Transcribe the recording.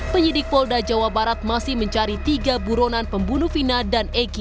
penyidik polda jawa barat masih mencari tiga buronan pembunuh vina dan egy